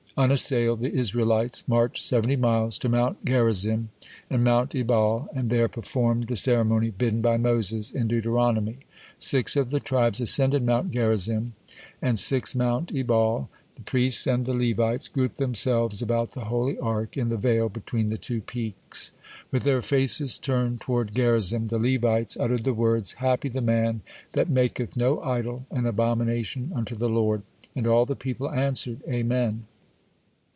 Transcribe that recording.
Unassailed, the Israelites marched seventy miles to Mount Gerizim and Mount Ebal, and there performed the ceremony bidden by Moses in Deuteronomy: six of the tribes ascended Mount Gerizim, and six Mount Ebal. The priests and the Levites grouped themselves about the holy Ark in the vale between the two peaks. With their faces turned toward Gerizim, the Levites uttered the words: "Happy the man that maketh no idol, an abomination unto the Lord," and all the people answered Amen.